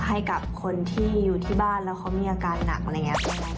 ให้กับคนที่อยู่ที่บ้านแล้วเขามีอาการหนักอะไรอย่างนี้